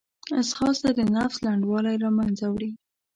ځغاسته د نفس لنډوالی له منځه وړي